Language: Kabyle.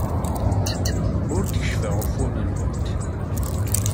Ur d-keccfeɣ ufuren-nwent.